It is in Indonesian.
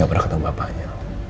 gak pernah ketemu bapaknya